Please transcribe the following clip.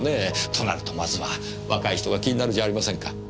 となるとまずは若い人が気になるじゃありませんか。